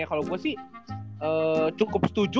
kalau gue sih cukup setuju